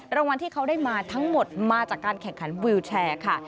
รางวัลที่เขาได้มาทั้งหมดมาจากการแข่งขันวิวแชร์ค่ะ